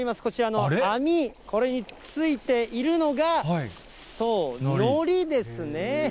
こちらの網、これについているのが、そう、のりですね。